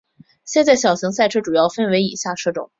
现在的小型赛车主要被分为以下车种。